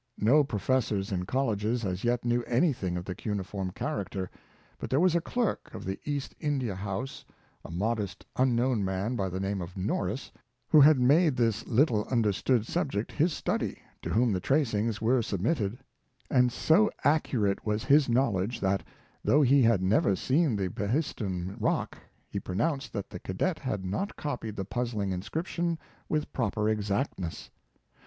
No professors in col leges as yet knew anything of the cuneiform character; but there was a clerk of the East India House — a mod est unknown man by the name of Norris — who had made this little understood subject his study, to whom the tracings were submitted; and so accurate was his knowledge, that, though he had never seen the Behis tun rock, he pronounced that the cadet had not copied the puzzling inscription with proper exactness.